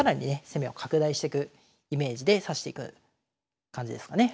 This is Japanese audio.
攻めを拡大してくイメージで指していく感じですかね。